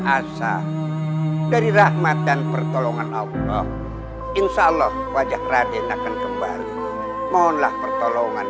asa dari rahmat dan pertolongan allah insya allah wajah raden akan kembali mohonlah pertolongan